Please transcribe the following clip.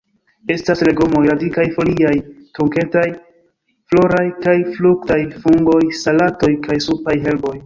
Estas legomoj: radikaj, foliaj, trunketaj, floraj kaj fruktaj; fungoj, salatoj kaj supaj herboj.